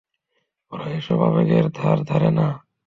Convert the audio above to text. ওরা এসব আবেগের ধার ধারে না।